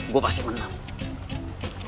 gua pasti menang